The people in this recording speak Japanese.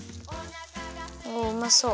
おおうまそう。